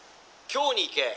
京に行け！